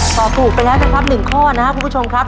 ปอบถูกไปนะครับ๑๐๐๐ครับ๑ข้อนะครับเพื่อนผู้ชมครับ